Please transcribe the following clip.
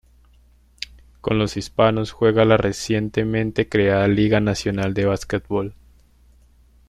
Con los hispanos juega la recientemente creada Liga Nacional de Básquetbol.